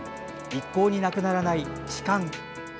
一向になくならない痴漢。